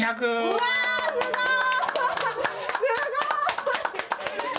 うわあ、すごーい！